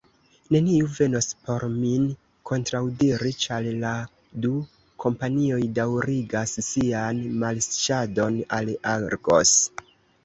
Neniu venos por min kontraŭdiri, ĉar la du kompanioj daŭrigas sian marŝadon al Argos.